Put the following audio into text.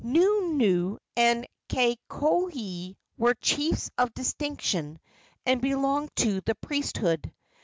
Nunu and Kakohe were chiefs of distinction and belonged to the priesthood.